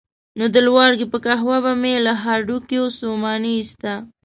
نو د لواړګي په قهوه به مې له هډوکیو ستوماني ایسته.